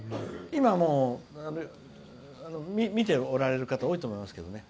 今、見ておられる方多いと思いますけどね。